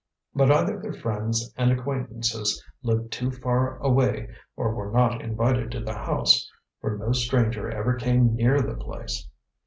But either their friends and acquaintances lived too far away or were not invited to the house, for no stranger ever came near the place.